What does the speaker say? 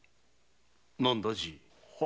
何だじい。